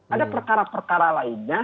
ada perkara perkara lainnya